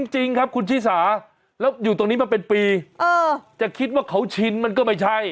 จริงครับคุณชิสาแล้วอยู่ตรงนี้มาเป็นปีจะคิดว่าเขาชินมันก็ไม่ใช่